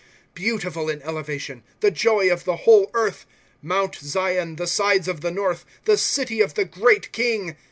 * Beautiful in elevation, the joy of the whole earth, Mount Zion, the sides of the north. The city of the great King